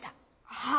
はあ？